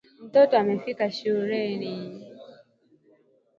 Mtoto amefika shuleni